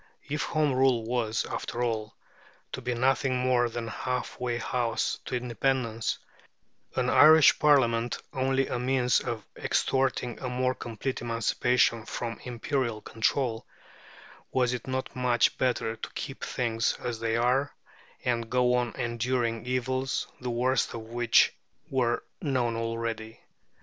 If Home Rule was, after all, to be nothing more than a half way house to independence, an Irish Parliament only a means of extorting a more complete emancipation from imperial control, was it not much better to keep things as they were, and go on enduring evils, the worst of which were known already?